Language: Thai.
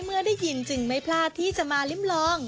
เมื่อได้ยินจึงไม่พลาดที่จะมาลิ้มลอง